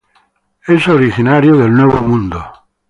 Es originario del Nuevo Mundo.